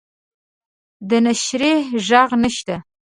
د نشریح ږغ نشته